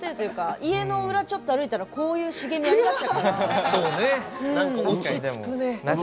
家の裏、ちょっと歩いたらこういう茂み落ち着くね。